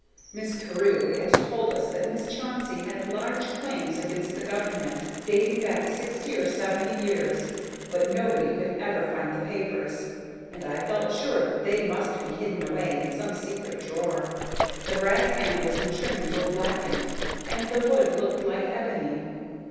Miss Carew had told us that Miss Chauncey had large claims against the government, dating back sixty or seventy years, but nobody could ever find the papers; and I felt sure that they must be hidden away in some secret drawer. The brass handles and trimmings were blackened, and the wood looked like ebony.